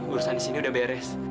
urusan di sini udah beres